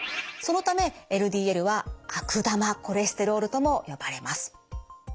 そのためＬＤＬは悪玉コレステロールとも呼ばれます。